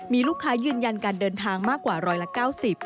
มีลูกค้ายืนยันการเดินทางมากกว่า๑๙๐บาท